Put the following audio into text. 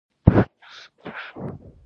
ګوردیني پاڅېد او د خزې په لور په منډه شو.